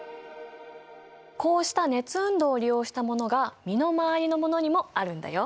こうした熱運動を利用したものが身の回りのものにもあるんだよ。